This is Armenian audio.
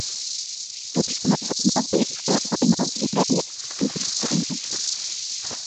Դուրս մնացած մասերից հարավայինն ավելի լայն է, քան հյուսիսայինը։